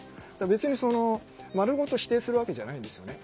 別に丸ごと否定するわけじゃないんですよね。